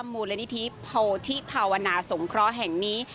มูลนิธิโพธิภาวนาสงเคราะห์แห่งนี้